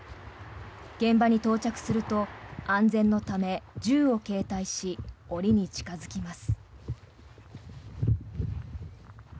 現場に到着すると安全のために銃を携帯し檻に近付きます。